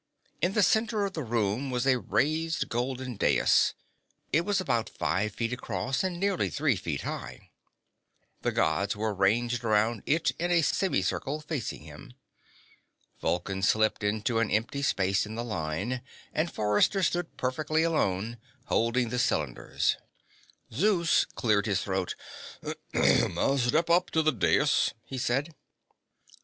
In the center of the room was a raised golden dais. It was about five feet across and nearly three feet high. The Gods were ranged around it in a semicircle, facing him. Vulcan slipped into an empty space in the line, and Forrester stood perfectly alone, holding the cylinders. Zeus cleared his throat. "Step up on the dais," he said.